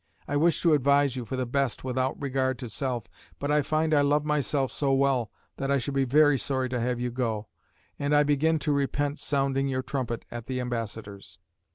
I wish to advise you for the best without regard to self, but I find I love myself so well that I should be very sorry to have you go, and I begin to repent sounding your trumpet at the Ambassador's."